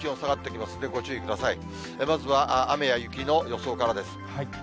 まずは雨や雪の予想からです。